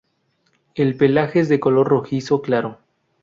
El pelaje es de color rojizo claro.